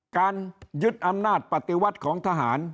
การยึดอำนาจปฏิวัติของทหาร